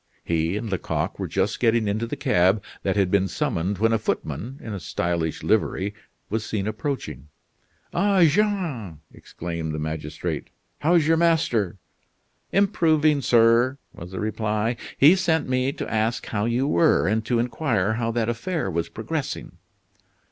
He and Lecoq were just getting into the cab that had been summoned when a footman in a stylish livery was seen approaching. "Ah! Jean," exclaimed the magistrate, "how's your master?" "Improving, sir," was the reply. "He sent me to ask how you were, and to inquire how that affair was progressing?"